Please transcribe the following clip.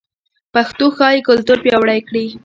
پښتو ښايي کلتور پیاوړی کړي.